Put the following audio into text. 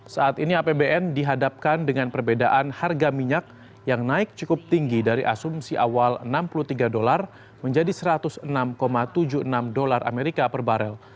saat ini apbn dihadapkan dengan perbedaan harga minyak yang naik cukup tinggi dari asumsi awal enam puluh tiga dolar menjadi satu ratus enam tujuh puluh enam dolar amerika per barel